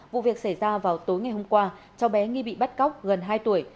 vụ việc xảy ra vào tối ngày hôm qua cháu bé nghi bị bắt cóc gần hai tuổi